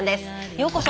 ようこそ。